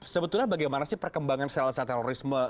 sebetulnya bagaimana sih perkembangan sel sel terorisme